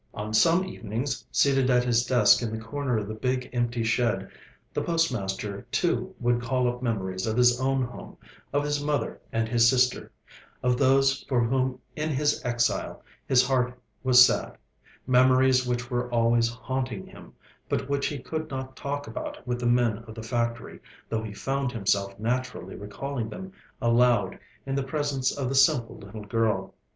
On some evenings, seated at his desk in the corner of the big empty shed, the postmaster too would call up memories of his own home, of his mother and his sister, of those for whom in his exile his heart was sad, memories which were always haunting him, but which he could not talk about with the men of the factory, though he found himself naturally recalling them aloud in the presence of the simple little girl.